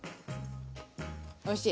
おいしい？